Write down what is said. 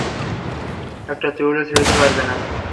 একটা চুলও ছিঁড়তে পারবে না।